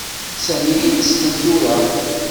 Sami d ineslem tura.